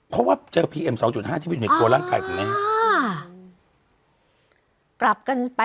เพราะว่าเจอพีเอ็ม๒๕ที่มีตัวร่างกายตรงนี้